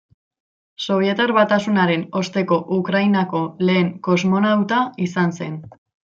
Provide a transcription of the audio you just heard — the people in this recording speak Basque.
Sobietar Batasunaren osteko Ukrainako lehen kosmonauta izan zen.